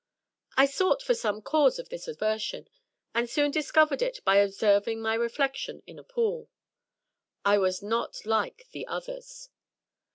I sought for some cause of this aversion, and soon discovered it by observing my reflection in a pool. / was not like the others!